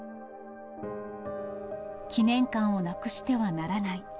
記念館をなくしてはならない。